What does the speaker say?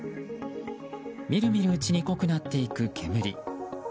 みるみるうちに濃くなっていく煙。